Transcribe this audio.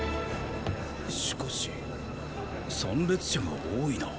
しかし参列者が多いな。